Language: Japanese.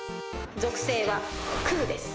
属性は空です。